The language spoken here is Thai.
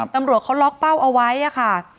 ตำรวจเขาล็อกเป้าเอาไว้ค่ะ